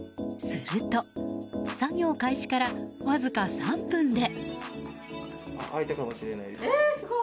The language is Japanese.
すると、作業開始からわずか３分で。